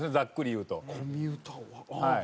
はい。